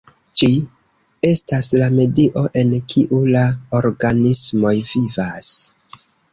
Ĝi estas la medio en kiu la organismoj vivas.